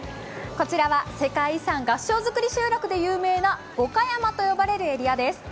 こちらは世界遺産、合掌造り集落で有名な五箇山と呼ばれるエリアです。